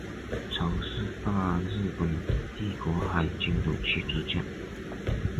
潮是大日本帝国海军的驱逐舰。